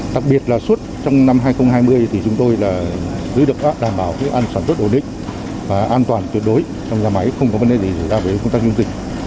đặc biệt là suốt trong năm hai nghìn hai mươi chúng tôi giữ được đảm bảo an sản xuất ổn định và an toàn tuyệt đối trong nhà máy không có vấn đề gì gì ra với công tác chống dịch